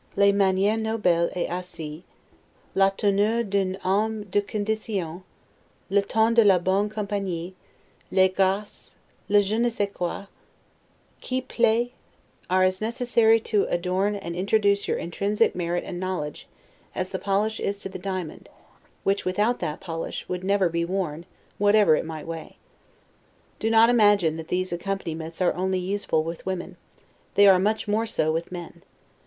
'Les manieres nobles et aisees, la tournure d'un homme de condition, le ton de la bonne compagnie, les graces, le jeune sais quoi, qui plait', are as necessary to adorn and introduce your intrinsic merit and knowledge, as the polish is to the diamond; which, without that polish, would never be worn, whatever it might weigh. Do not imagine that these accomplishments are only useful with women; they are much more so with men.